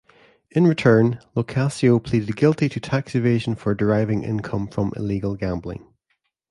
In return, LoCascio pleaded guilty to tax evasion for deriving income from illegal gambling.